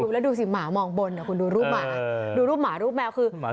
แล้วดูสิหมามองบนคุณดูรูปหมาดูรูปหมารูปแมวคือ